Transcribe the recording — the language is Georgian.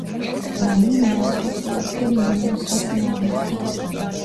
ლა-ნინია აზრობრივად, ელ-ნინიოს საწინააღმდეგოა.